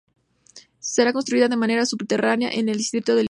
Será construida de manera subterránea en el distrito de Lima.